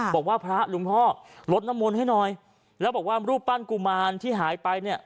บอกว่าพระหลวงพ่อลดน้ำมนต์ให้หน่อยแล้วบอกว่ารูปปั้นกุมารที่หายไปเนี่ย